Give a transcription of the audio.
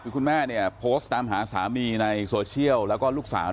คือคุณแม่เนี่ยโพสต์ตามหาสามีในโซเชียลแล้วก็ลูกสาว